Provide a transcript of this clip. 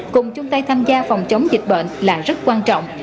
cùng chung tay tham gia phòng chống dịch bệnh là rất quan trọng